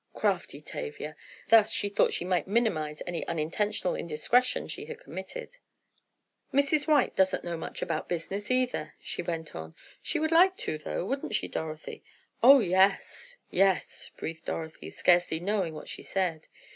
Crafty Tavia! Thus, she thought she might minimize any unintentional indiscretion she had committed. "Mrs. White doesn't know much about business, either," she went on. "She would like to, though, wouldn't she, Dorothy?" "Oh, yes—yes," breathed Dorothy, scarcely knowing what she said.